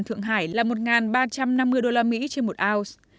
thượng hải là một ba trăm năm mươi usd trên một ounce